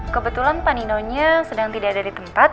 kebetulan paninonya sedang tidak ada di tempat